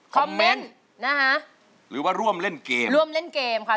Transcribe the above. คอมเมนต์นะคะหรือว่าร่วมเล่นเกมร่วมเล่นเกมค่ะ